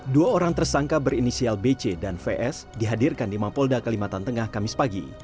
dua orang tersangka berinisial bc dan vs dihadirkan di mapolda kalimantan tengah kamis pagi